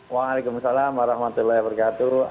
waalaikumsalam warahmatullahi wabarakatuh